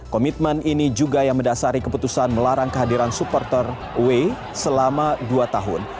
komitmen ini juga yang mendasari keputusan melarang kehadiran supporter way selama dua tahun